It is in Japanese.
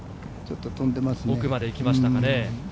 奥まで行きましたかね。